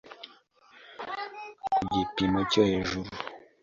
ku gipimo cyo hejuru